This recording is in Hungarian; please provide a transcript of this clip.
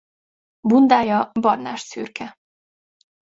Bundája barnásszürke.